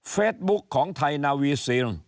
เฟซบุ๊คของไทยนาวีซีน